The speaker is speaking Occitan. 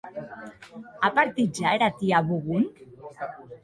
A partit ja era tia Bougon?